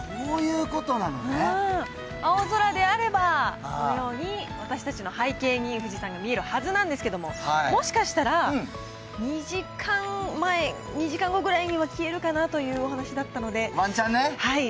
あー、青空であれば、このように、私たちの背景に富士山が見えるはずなんですけれども、もしかしたら、２時間前、２時間後くらいには消えるかなというお話だったので、ワンチャンね。